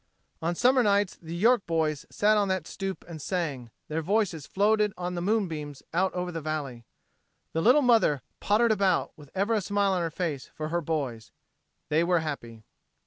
On summer nights the York boys sat on that stoop and sang, and their voices floated on the moonbeams out over the valley. The little mother "pottered" about, with ever a smile on her face for her boys. They were happy.